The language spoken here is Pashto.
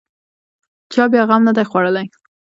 چا بیا غم نه دی خوړلی.